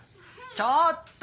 ちょっと！